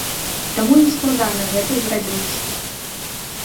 Таму ім складана гэта зрабіць.